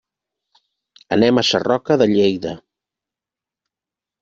Anem a Sarroca de Lleida.